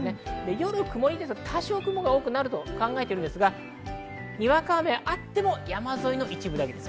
夜、曇りですが、多少雲が多くなると考えていますが、にわか雨はあっても山沿いの一部だけです。